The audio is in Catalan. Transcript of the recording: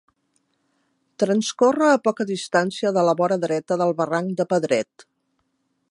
Transcorre a poca distància de la vora dreta del Barranc de Pedret.